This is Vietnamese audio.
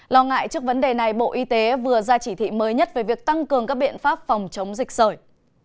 lo ngại trước vấn đề này bộ y tế vừa ra chỉ thị mới nhất về việc tăng cường các biện pháp phòng chống dịch sởi